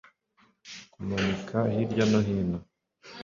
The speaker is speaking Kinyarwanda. Kumanika hirya no hino